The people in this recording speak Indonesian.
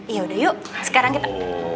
yaudah yuk sekarang kita